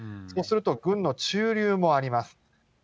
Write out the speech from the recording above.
そうすると軍の駐留もあります。